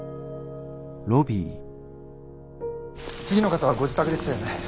次の方はご自宅でしたよね。